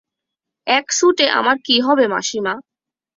এক সুটে আমার কী হবে মাসিমা।